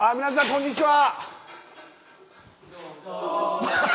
こんにちは！